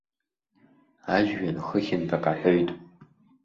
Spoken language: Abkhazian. Ажәҩан хыхьынтә ак аҳәоит.